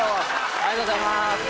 ありがとうございます。